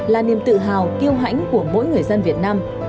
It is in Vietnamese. là niềm tự hào kêu hãnh của mỗi người dân việt nam